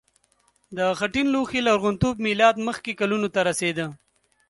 د خټین لوښي لرغونتوب میلاد مخکې کلونو ته رسیده.